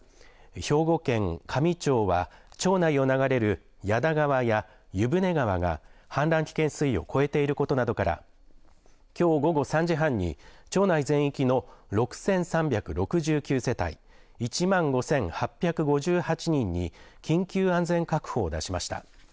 兵庫県香美町は町内を流れる矢田川や湯舟川が氾濫危険水位を超えていることなどからきょう午後３時半に町内全域の６３６９世帯１万５８５８人に緊急安全確保を出しました。